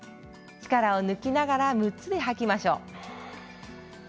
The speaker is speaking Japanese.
力を抜きながら６つで吐きましょう。